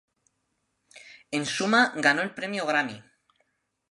En suma, ganó el premio Grammy.